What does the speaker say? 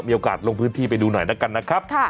มีโอกาสลงพื้นที่ไปดูหน่อยแล้วกันนะครับ